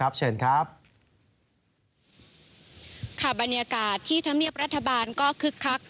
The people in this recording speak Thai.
บรรยากาศที่ทำเนียบรัฐบาลก็คลึกครัก